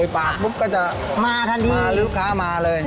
ปากปุ๊บก็จะมาลูกค้ามาเลย